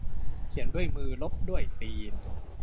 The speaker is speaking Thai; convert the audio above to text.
เขียนด้วยมือลบด้วยตีน